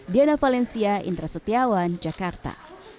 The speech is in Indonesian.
diana valencia indra setiawan jakarta